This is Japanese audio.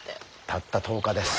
たった１０日です。